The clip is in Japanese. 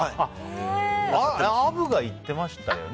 アブが行ってましたよね。